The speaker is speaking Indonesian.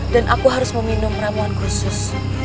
dan aku harus meminum ramuan khusus